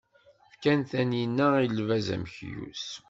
Fkan taninna, i lbaz amekyus.